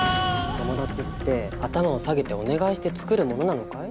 友達って頭を下げてお願いしてつくるものなのかい？